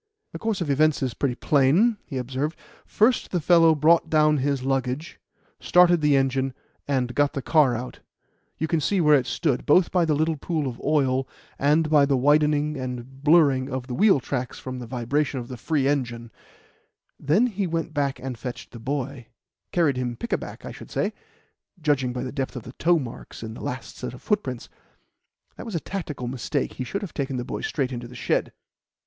"The course of events is pretty plain," he observed. "First the fellow brought down his luggage, started the engine, and got the car out you can see where it stood, both by the little pool of oil, and by the widening and blurring of the wheel tracks from the vibration of the free engine; then he went back and fetched the boy carried him pick a back, I should say, judging by the depth of the toe marks in the last set of footprints. That was a tactical mistake. He should have taken the boy straight into the shed."